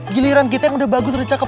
giliran kita yang udah bagus udah cakep